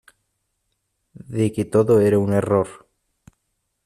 de que todo era un error.